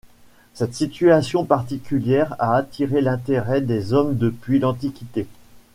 Cette situation particulière a attiré l'intérêt des hommes depuis l'Antiquité.